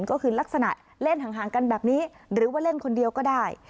ก็คือลักษณะเล่นห่างกันแบบนี้หรือว่าเล่นคนเดียวก็ได้